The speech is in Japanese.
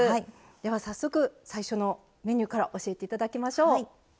では早速最初のメニューから教えて頂きましょう。